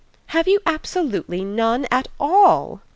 "Have you absolutely none at all?"